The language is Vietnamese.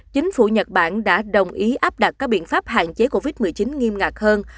chính phủ nhật bản đã đồng ý áp đặt các biện pháp hạn chế covid một mươi chín nghiêm ngặt hơn